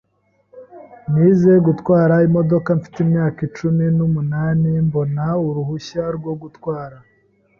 Nize gutwara imodoka mfite imyaka cumi n'umunani mbona uruhushya rwo gutwara